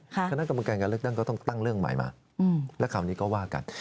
คณะกรรมการการเลือกตั้งก็ต้องตั้งเรื่องใหม่มาแล้วคราวนี้ก็ว่ากัน